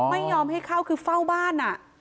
ไม่ยอมให้เข้าคือเฝ้าบ้าน